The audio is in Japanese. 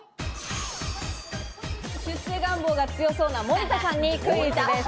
出世願望が強そうな森田さんにクイズです。